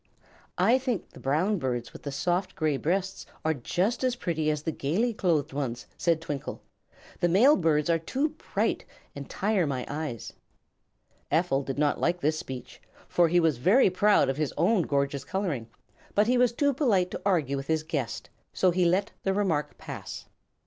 "I think the brown birds with the soft gray breasts are just as pretty as the gaily clothed ones," said Twinkle. "The male birds are too bright, and tire my eyes." Ephel did not like this speech, for he was very proud of his own gorgeous coloring; but he was too polite to argue with his guest, so he let the remark pass.